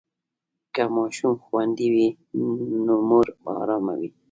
که ماشوم خوندي وي، نو مور به ارامه وي.